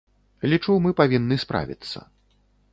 Лічу, мы павінны справіцца.